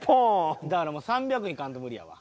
だからもう３００いかんと無理やわ。